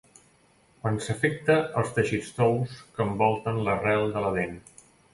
Quan s'afecta els teixits tous que envolten l'arrel de la dent.